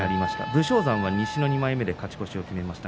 武将山は西の２枚目勝ち越しを決めています。